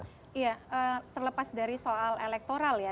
iya terlepas dari soal elektoral ya